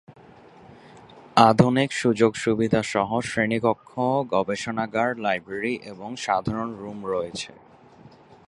আধুনিক সুযোগ সুবিধা সহ শ্রেণিকক্ষ, গবেষণাগার, লাইব্রেরি এবং সাধারণ রুম রয়েছে।